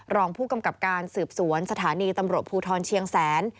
รองผู้กำกับการสืบสวนสถานีตำรวจภูทรเชียงแสน